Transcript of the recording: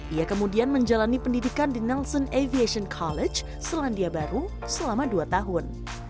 ia kemudian menjalani pendidikan di nelson aviation college selandia baru selama dua tahun